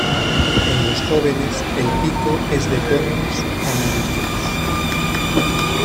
En los jóvenes el pico es de tonos amarillos.